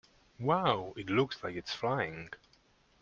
Wow! It looks like it is flying!